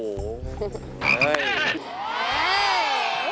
โอ้โห